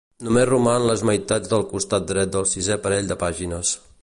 Només roman les meitats del costat dret del sisè parell de pàgines.